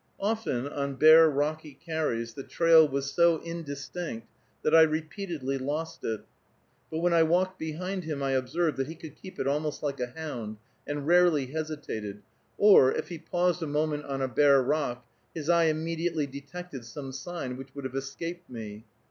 Often on bare rocky carries the trail was so indistinct that I repeatedly lost it, but when I walked behind him I observed that he could keep it almost like a hound, and rarely hesitated, or, if he paused a moment on a bare rock, his eye immediately detected some sign which would have escaped me.